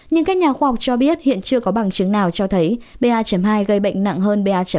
nhưng các nhà khoa học cho biết hiện chưa có bằng chứng nào cho thấy pa hai gây bệnh nặng hơn pa một